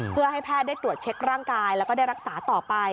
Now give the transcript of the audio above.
เพื่อให้แพทย์ได้ตรวจเช็คร่างกายแล้วก็ได้รักษาต่อไป